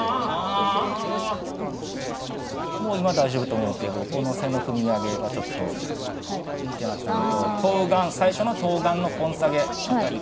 もう今大丈夫だと思うけどこの「セ」のふみ上げがちょっとん？ってなっていたのと當願最初の當願のほん下げあたり